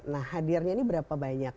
nah hadirnya ini berapa banyak